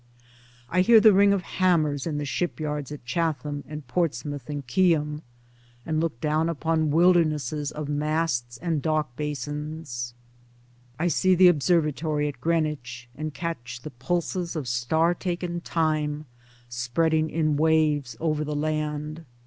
I hear the ring of hammers in the ship yards of Chatham and Portsmouth and Keyham, and look down upon wilder nesses of masts and dock basins. I see the observatory at Greenwich and catch the pulses of star taken time spreading in waves over the land.